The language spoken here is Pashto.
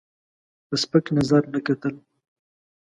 په سپک نظر نه کتل.